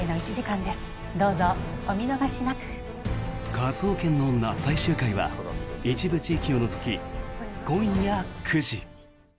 「科捜研の女」最終回は一部地域を除き今夜９時。